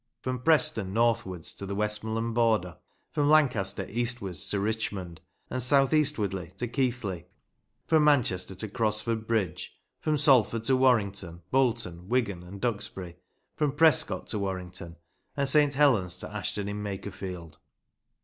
From Preston northwards to the Westmorland border; from Lancaster eastwards to Richmond, and south eastwardly to Keighley; from Manchester to Crosford Bridge; from Sal ford to Warrington, Bolton, Wigan, and Duxbury; from Prescot to Warrington; and St. Helens to Ashton in Makerfield.